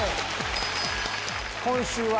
今週は。